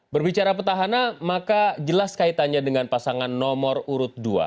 berbicara petahana maka jelas kaitannya dengan pasangan nomor urut dua